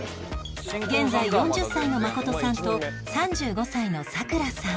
現在４０歳の誠さんと３５歳のさくらさん